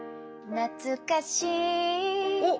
なつかしいおっ。